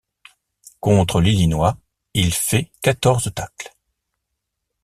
Contre l'Illinois, il fait quatorze tacles.